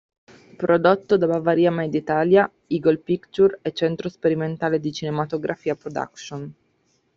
Prodotto da Bavaria Media Italia, Eagle Pictures e Centro Sperimentale di Cinematografia Production.